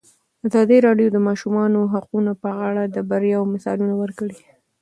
ازادي راډیو د د ماشومانو حقونه په اړه د بریاوو مثالونه ورکړي.